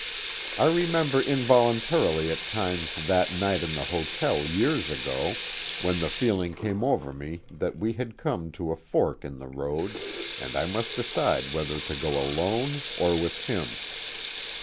I remember involuntarily at times that night in the hotel years ago, when the feeling came over me that we had come to a fork in the road, and I must decide whether to go alone, or with him.